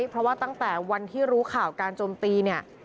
เพราะว่าตั้งแต่วันที่รู้ข่าวการจมตีเนี่ย